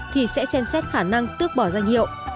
thì sẽ xem xét khả năng tước bỏ danh hiệu